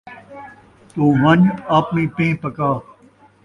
توں ونڄ آپݨی پینہہ پکا